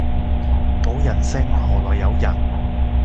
冇人性何來有人